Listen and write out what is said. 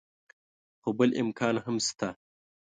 خو بل امکان هم شته.